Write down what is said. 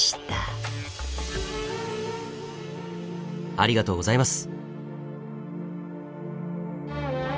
ありがとうございます。